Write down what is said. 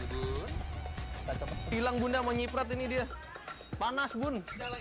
tilang bunda menyiprat ini dia panas bun